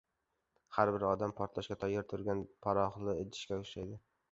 Har bir odam portlashga tayyor turgan poroxli idishga o‘xshaydi.